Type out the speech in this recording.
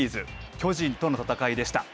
巨人との戦いでした。